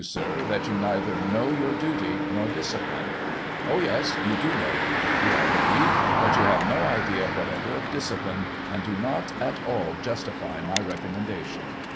Sir, that you neither know your duty, nor disciplinei Oh, yes, you do know your duty, I believe, but you have no idea whatever of discipline, and do not, at all, justify my recommendation.'